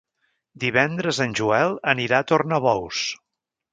Divendres en Joel anirà a Tornabous.